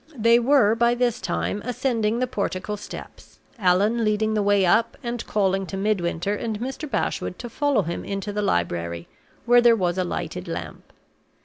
They were by this time ascending the portico steps, Allan leading the way up, and calling to Midwinter and Mr. Bashwood to follow him into the library, where there was a lighted lamp.